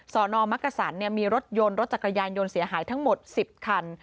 สอนอมักกษันมีรถยนต์รถจักรยานยนต์เสียหายทั้งหมด๑๐คัน